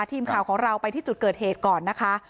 ทีมข่าวของเราไปที่จุดเกิดเหตุก่อนนะคะ